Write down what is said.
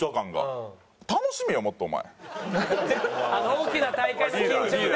大きな大会の緊張ね。